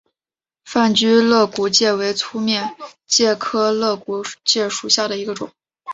范睢肋骨介为粗面介科肋骨介属下的一个种。